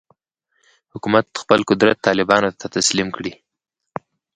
حکومت خپل قدرت طالبانو ته تسلیم کړي.